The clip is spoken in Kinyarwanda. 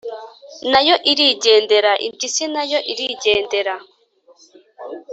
nayo irigendera. impyisi na yo irigendera